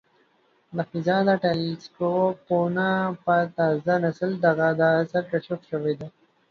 د فضا د ټیلسکوپونو په تازه نسل دغه د عصر کشف شوی دی.